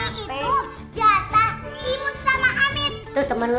ini itu jatah imut sama amit